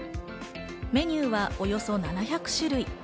メニューはおよそ７００種類。